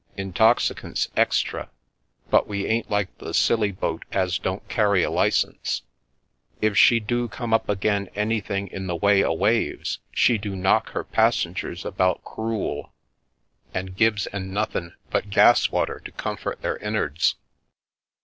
Intoxicants extra, but we ain't like the Scilly boat as don't carry a licence. If she do come up agen anything in the way o' waves she do knock her passengers about crool, and gives 'en nothin' but gas water to comfort their innards